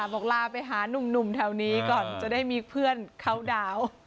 บอกลาไปหานุ่มแถวนี้ก่อนจะได้มีเพื่อนเขาดาวน์